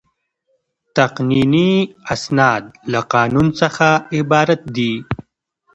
تقنیني اسناد له قانون څخه عبارت دي.